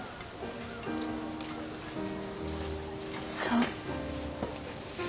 そう。